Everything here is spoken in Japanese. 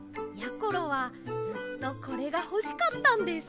ころはずっとこれがほしかったんです。